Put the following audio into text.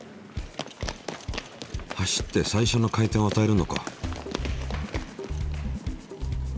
走って最初の回転をあたえるのか。